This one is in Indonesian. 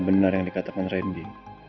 benar yang dikatakan randy